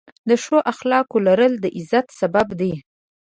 د ښو اخلاقو لرل، د عزت سبب دی.